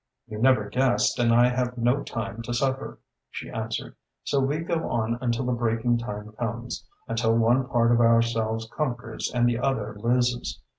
"You never guessed and I have no time to suffer," she answered. "So we go on until the breaking time comes, until one part of ourselves conquers and the other loses.